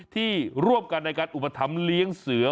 ที่ร่วมกันในการอุปถัมภ์เลี้ยงเสือ